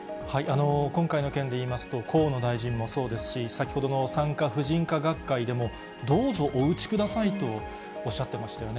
今回の件でいいますと、河野大臣もそうですし、先ほどの産科婦人科学会でも、どうぞお打ちくださいとおっしゃってましたよね。